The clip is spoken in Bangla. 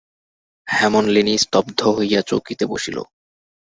হেমনলিনী স্তব্ধ হইয়া চৌকিতে বসিল।